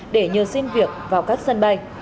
để nhờ xin việc vào các sân bay